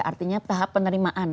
ya artinya tahap penerimaan